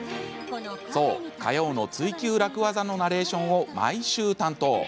そう、火曜の「ツイＱ楽ワザ」のナレーションを毎週担当。